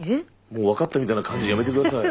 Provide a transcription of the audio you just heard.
もう分かったみたいな感じやめてください。